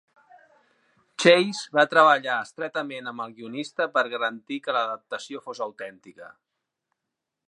Chase va treballar estretament amb el guionista per garantir que l'adaptació fos autèntica.